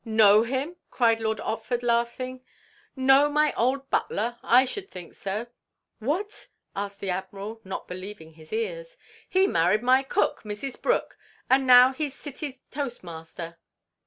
"Know him!" cried Lord Otford, laughing, "Know my old butler! I should think so!" "What?" asked the Admiral, not believing his ears. "He married my cook, Mrs. Brooke! And now he 's City toast master."